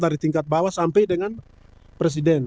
dari tingkat bawah sampai dengan presiden